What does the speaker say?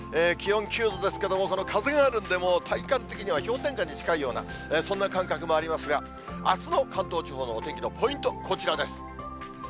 気温９度ですけれども、この風があるんで、もう体感的には氷点下に近いような、そんな感覚もありますが、あすの関東地方のお天気のポイント、こちらです。